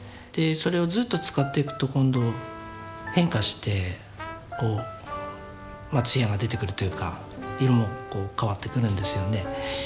それをずっと使っていくと今度変化して艶が出てくるというか色も変わってくるんですよね。